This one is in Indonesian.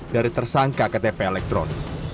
dari tersangka ktp elektron